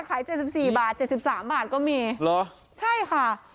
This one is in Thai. ขาย๗๔บาท๗๓บาทก็มีเหรอใช่ค่ะ